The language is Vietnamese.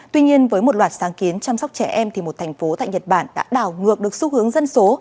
tuy nhiên với một loạt sáng kiến chăm sóc trẻ em thì một thành phố tại nhật bản đã đảo ngược được xu hướng dân số